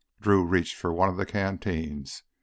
Drew reached for one of the canteens.